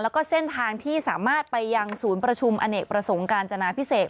แล้วก็เส้นทางที่สามารถไปยังศูนย์ประชุมอเนกประสงค์การจนาพิเศษ